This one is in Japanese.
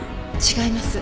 違います。